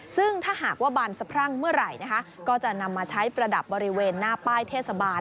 ซึ่งถ้าหากว่าบานสะพรั่งเมื่อไหร่นะคะก็จะนำมาใช้ประดับบริเวณหน้าป้ายเทศบาล